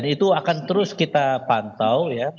itu akan terus kita pantau ya